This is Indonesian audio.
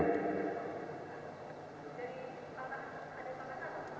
jadi ada tanda tanda